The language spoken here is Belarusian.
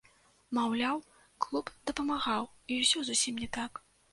Маўляў, клуб дапамагаў, і ўсё зусім не так.